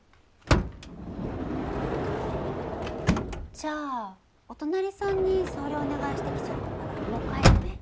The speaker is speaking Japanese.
じゃあお隣さんに沙織お願いしてきちゃったからもう帰るね。